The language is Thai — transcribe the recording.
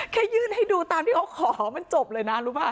ยื่นให้ดูตามที่เขาขอมันจบเลยนะรู้ป่